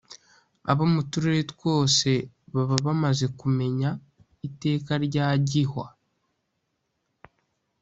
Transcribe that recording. abo mu turere twose baba bamaze kumenya iteka rya Gihwa